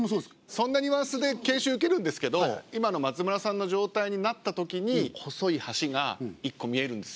そんなニュアンスで研修受けるんですけど今の松丸さんの状態になったときに細い橋が一個見えるんですよ。